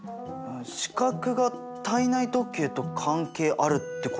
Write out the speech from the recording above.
視覚が体内時計と関係あるってことだよね？